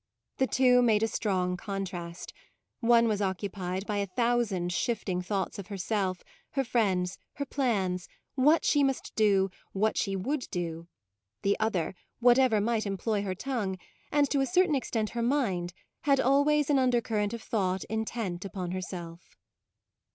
The two made a strong contrast: one was occupied by a thousand shifting thoughts of herself, her friends, her plans, what she must do, what she would do; the other, whatever might employ her tongue, and to a certain extent her mind, had always an undercurrent of thought intent upon herself.